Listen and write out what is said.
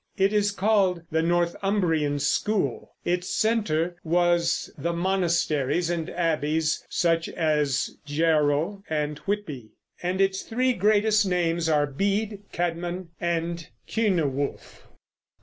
It is called the Northumbrian School; its center was the monasteries and abbeys, such as Jarrow and Whitby, and its three greatest names are Bede, Cædmon, and Cynewulf.